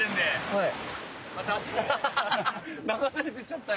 はい。